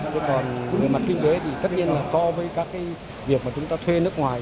chứ còn về mặt kinh tế thì tất nhiên là so với các cái việc mà chúng ta thuê nước ngoài